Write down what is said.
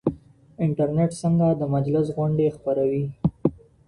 انټرنیټ څنګه د مجلس غونډي خپروي؟